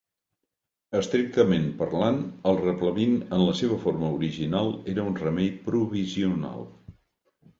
Estrictament parlant, el replevin en la seva forma original era un remei provisional.